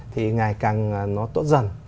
thì ngày càng nó tốt dần